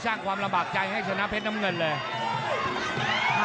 สร้างความระบากใจให้ชนะเพชรน้ำเงินเลย